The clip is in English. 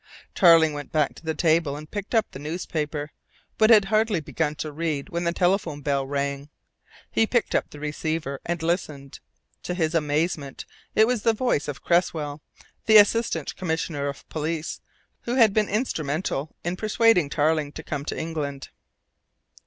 Tarling went back to the table and picked up the newspaper, but had hardly begun to read when the telephone bell rang. He picked up the receiver and listened. To his amazement it was the voice of Cresswell, the Assistant Commissioner of Police, who had been instrumental in persuading Tarling to come to England.